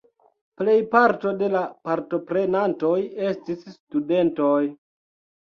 Plejparto de la partoprenantoj estis studentoj.